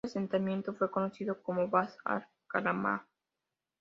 Este asentamiento fue conocido como "Bab al-Karama".